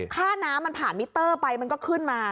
ค่าน้ำมันผ่านมิเตอร์ไปมันก็ขึ้นมา